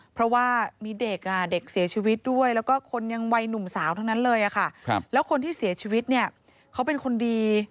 เพราะว่ามีเด็กเด็กเสียชีวิตด้วยแล้วก็คนยังวัยหนุ่มสาวทั้งนั้นเลยค่ะแล้วคนที่เสียชีวิตเนี่ยเขาเป็นคนดี